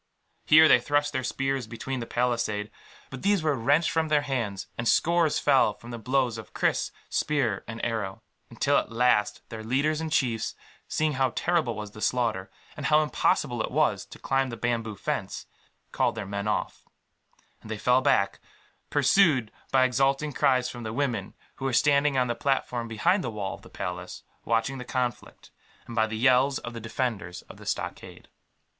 Here they thrust their spears between the palisade; but these were wrenched from their hands, and scores fell from the blows of kris, spear, and arrow; until at last their leaders and chiefs, seeing how terrible was the slaughter, and how impossible it was to climb the bamboo fence, called their men off; and they fell back, pursued by exulting cries from the women, who were standing on the platform behind the wall of the palace, watching the conflict, and by the yells of the defenders of the stockade.